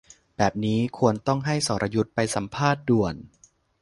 แบบนี้ควรต้องให้สรยุทธไปสัมภาษณ์ด่วน